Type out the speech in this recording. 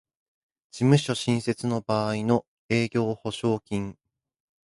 事務所新設の場合の営業保証金